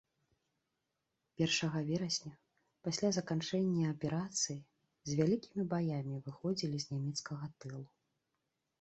Першага верасня, пасля заканчэння аперацыі, з вялікімі баямі выходзілі з нямецкага тылу.